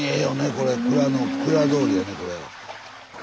これ蔵通りやねこれ。